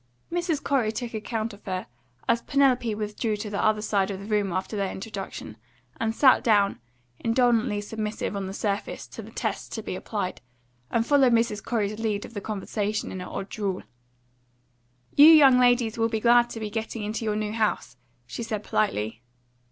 Mrs. Corey took account of her, as Penelope withdrew to the other side of the room after their introduction, and sat down, indolently submissive on the surface to the tests to be applied, and following Mrs. Corey's lead of the conversation in her odd drawl. "You young ladies will be glad to be getting into your new house," she said politely.